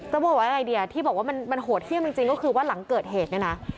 บอกว่ายังไงดีที่บอกว่ามันโหดเยี่ยมจริงก็คือว่าหลังเกิดเหตุเนี่ยนะ